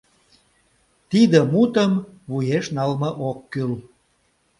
Тиде мутым вуеш налме ок кӱл.